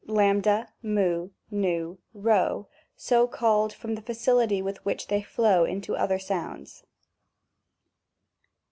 — X, fi, Vy p, so called from the facility with which they flow into other sounds.